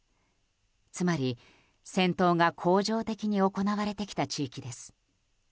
つまり、戦闘が恒常的に行われてきた地域です。